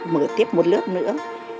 mở tiếp một lớp nữa